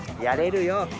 やれるよ。